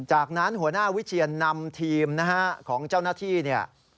จากนั้นหัวหน้าวิเชียนนำทีมนะฮะของเจ้าหน้าที่เนี่ย